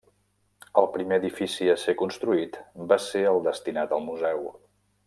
El primer edifici a ser construït va ser el destinat al museu.